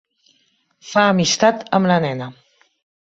Fa amistat amb la nena.